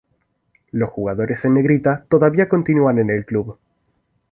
Los jugadores en Negrita todavía continúan en el club.